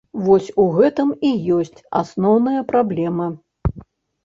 Вось у гэтым і ёсць асноўная праблема.